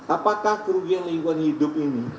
apakah kerugian lingkungan hidup ini